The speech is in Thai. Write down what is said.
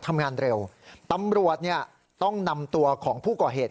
ทำงานเร็วตำรวจเนี่ยต้องนำตัวของผู้ก่อเหตุ